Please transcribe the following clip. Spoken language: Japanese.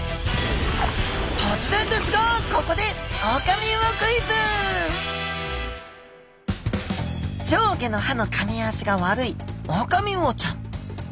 突然ですがここで上下の歯のかみ合わせが悪いオオカミウオちゃん。